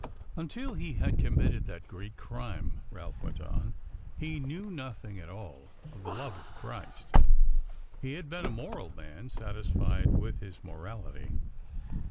"Until he had committed that great crime," Ralph went on, "he knew nothing at all of the love of Christ. He had been a moral man, satisfied with his morality.